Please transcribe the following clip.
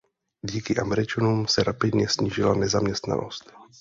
Díky Američanům se rapidně snížila nezaměstnanost.